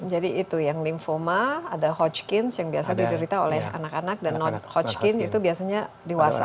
jadi itu yang lymphoma ada hot skin yang biasa diderita oleh anak anak dan non hot skin itu biasanya dewasa